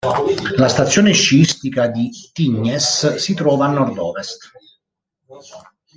La stazione sciistica di Tignes si trova a nord-ovest.